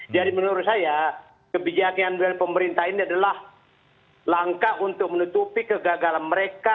jadi menurut saya kebijakan dari pemerintah ini adalah langkah untuk menutupi kegagalan mereka